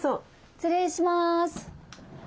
失礼します。